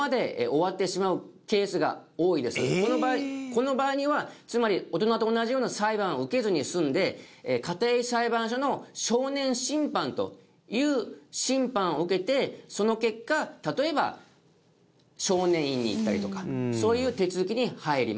この場合にはつまり大人と同じような裁判を受けずに済んで家庭裁判所の少年審判という審判を受けてその結果例えば少年院に行ったりとかそういう手続きに入ります。